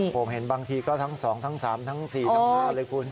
ผมเห็นบางทีก็ทั้ง๒ทั้ง๓ทั้ง๔ทั้ง๕เลยคุณ